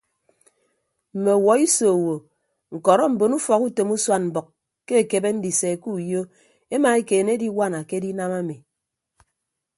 Mme ọwuọ iso owo ñkọrọ mbon ufọkutom usuan mbʌk ke ekebe ndise ke uyo emaekeene ediwana ke edinam ami.